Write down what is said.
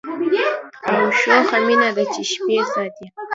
او شوخه مینه ده چي شپې ساتي